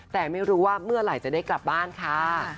แต่ไม่รู้ว่าเมื่อไหร่จะได้กลับบ้านค่ะ